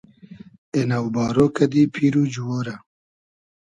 اېنۆ بارۉ کئدی پیر و جووۉ رۂ